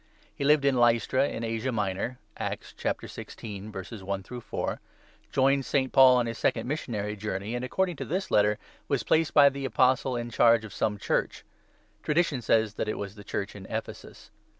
He lived at Lystra in Asia Minor (Acts 16. i — 4), joined St. Paul on his second missionary journey, and, according to this Letter, was placed by the Apostle in charge of some Church. Tradition says that it was the Church in Ephesus.